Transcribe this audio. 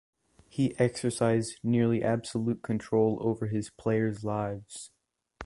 He exercised nearly absolute control over his players' lives.